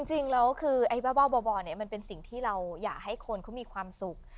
จริงแล้วคือไอ้บ้าบ่อเนี่ยมันเป็นสิ่งที่เราอยากให้คนเขามีความสุข